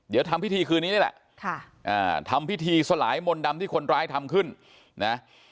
เดี๋ยวทำพิธีคืนนี้นี่แหละทำพิธีสลายมนต์ดำที่คนร้ายทำขึ้นนะ